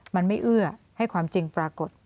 มันไม่เอื้อให้ความจริงปรากฏ